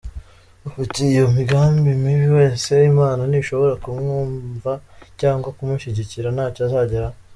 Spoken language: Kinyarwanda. Ufite iyo migambi mibi wese Imana ntishobora kumwumva cyangwa kumushyigikira, ntacyo azageraho.